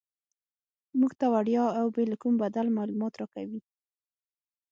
موږ ته وړیا او بې له کوم بدل معلومات راکوي.